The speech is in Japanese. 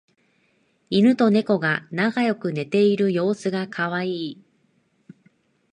イヌとネコが仲良く寝ている様子がカワイイ